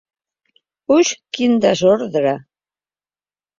Uix, quin desordre!